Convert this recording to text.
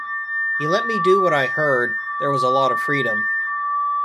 He let me do what I heard, there was a lot of freedom.